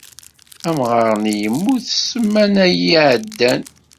Amɣar-nni yemmut ssmana-yi iɛeddan.